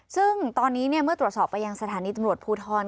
ซึ่งตอนนี้เมื่อตรวจสอบไปยังสถานีตำรวจภูทร